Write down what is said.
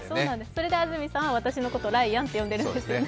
それで安住さんは私のことをライアンって呼んでるんですよね。